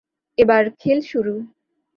এবার খেল শুরু।